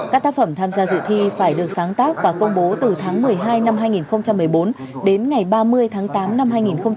các tác phẩm tham gia dự thi phải được sáng tác và công bố từ tháng một mươi hai năm hai nghìn một mươi bốn đến ngày ba mươi tháng tám năm hai nghìn một mươi chín